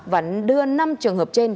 và đưa năm trường hợp trên